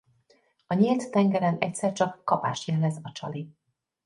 A nyílt tengeren egyszer csak kapást jelez a csali.